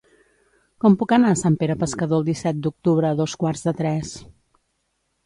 Com puc anar a Sant Pere Pescador el disset d'octubre a dos quarts de tres?